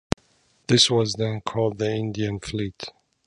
This was then called the Indian Fleet.